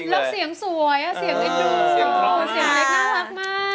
แล้วเสียงสวยเสียงเอ็นดูเสียงเล็กน่ารักมาก